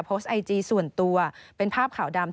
โพสต์ไอจีส่วนตัวเป็นภาพขาวดำ